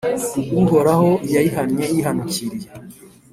Uhoraho yayihannye yihanukiriye,